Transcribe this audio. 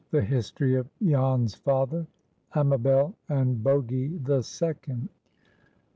—THE HISTORY OF JAN'S FATHER—AMABEL AND BOGY THE SECOND.